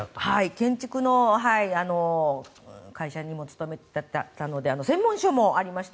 建築の会社にも勤めていたので専門書もありました。